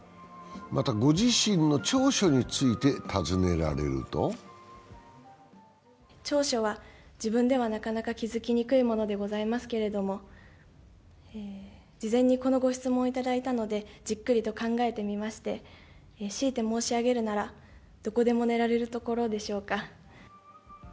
またご自身の長所について尋ねられると長所は自分ではなかなか気付きにくいものでございますけれども、事前にこの御質問をいただいたのでじっくりと考えてみまして、強いて申し上げるならば、どこでも寝られるところでしょうか。